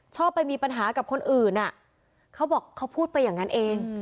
ชอบไปมีปัญหากับคนอื่นเขาบอกเขาพูดไปอย่างนั้นเอง